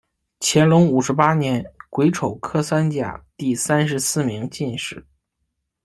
乾隆五十八年癸丑科三甲第三十四名进士。